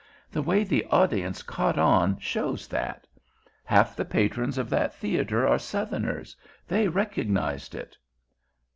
The way the audience caught on shows that. Half the patrons of that theater are Southerners. They recognized it."